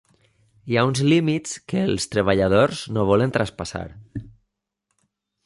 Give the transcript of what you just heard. Hi ha uns límits que els treballadors no volen traspassar.